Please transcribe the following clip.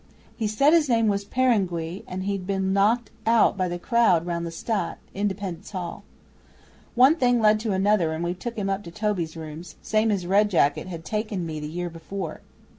He said his name was Peringuey, and he'd been knocked about in the crowd round the Stadt Independence Hall. One thing leading to another we took him up to Toby's rooms, same as Red Jacket had taken me the year before.